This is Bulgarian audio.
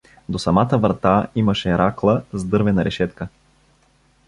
До самата врата имаше ракла с дървена решетка.